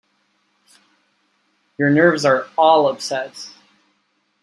Your nerves are all upset.